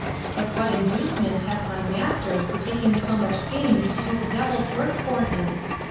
But what inducement has my master for taking so much pains to do the devil's work for him?